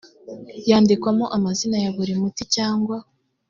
cyandikwamo amazina ya buri muti cyangwa